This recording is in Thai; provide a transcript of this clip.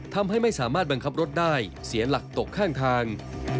ทำให้ไม่สามารถบังคับรถได้เสียหลักตกข้างทาง